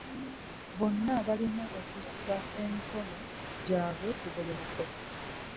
Bonna balina okussa emikono gyabwe ku buli muko.